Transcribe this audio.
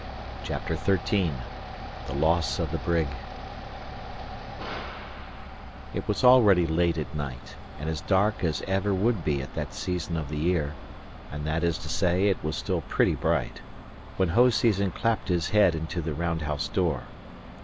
CHAPTER XIII THE LOSS OF THE BRIG It was already late at night, and as dark as it ever would be at that season of the year (and that is to say, it was still pretty bright), when Hoseason clapped his head into the round house door.